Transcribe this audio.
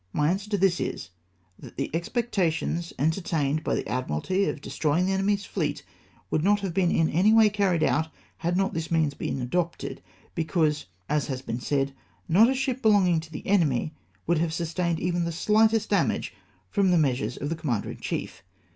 My answer to this is, that the expectations entertained by the Admiralty of destroying the enemy's fleet would not have been in any way carried out, had not this means been adopted ; because, as has been said, not a ship belonging to the enemy would have sustained even the slightest damage from the measures of the com mander in chief.